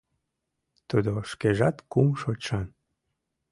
Тудо шкежат кум шочшан.